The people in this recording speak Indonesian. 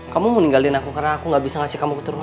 kamu mau nyinggalin aku karena aku gak bisa ngasih kamu keturunan